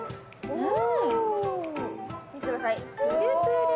うん！